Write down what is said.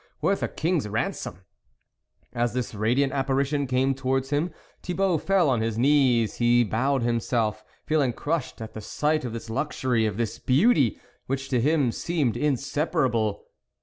worth a king's ramsom ! As this radiant apparition came towards him, Thibault fell on his knees ; he bowed himself, feeling crushed at the sight of this luxury, of this beauty, which to him seemed inseparable.